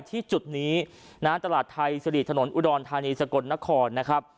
ที่จุดนี้นะฮะตลาดไทยสิริถนนอุดรธานีสกลนครนะครับ